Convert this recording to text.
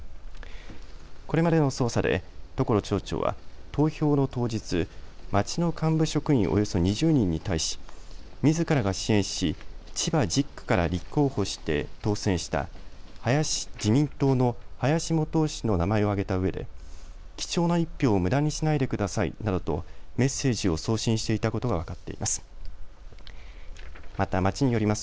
これまでの捜査で所町長は投票の当日、町の幹部職員およそ２０人に対しみずからが支援し千葉１０区から立候補して当選した自民党の林幹雄氏の名前を挙げたうえで貴重な１票をむだにしないでくださいなどとメッセージを送信していたことが分かっています。